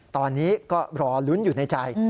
ตอนนี้ก็รอลุ้นอยู่ในใจ